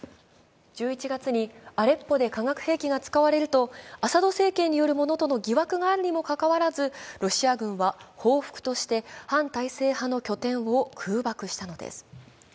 １１月にアレッポで化学兵器が使われるとアサド政権によるものとの疑惑があるにもかかわらずロシア軍は報復として反体制派の拠点を空爆したのです。